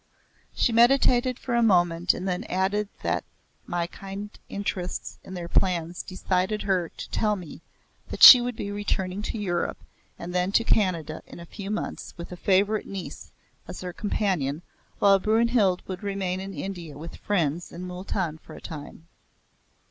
She meditated for a moment and then added that my kind interests in their plans decided her to tell me that she would be returning to Europe and then to Canada in a few months with a favourite niece as her companion while Brynhild would remain in India with friends in Mooltan for a time.